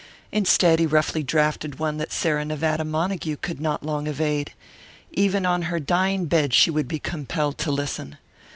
Instead he roughly drafted one that Sarah Nevada Montague could not long evade. Even on her dying bed she would be compelled to listen.